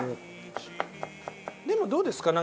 でもどうですか？